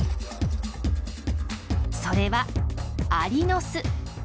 それはアリの巣。